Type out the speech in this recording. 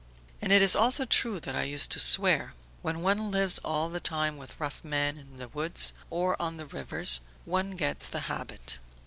"And it is also true that I used to swear. When one lives all the time with rough men in the woods or on the rivers one gets the habit.